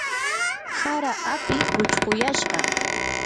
hara api puchquyashqa.